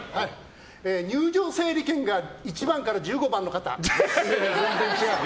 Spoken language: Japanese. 入場整理券が１番から１５番の方。